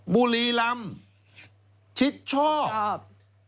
บุรีลำชิดชอบ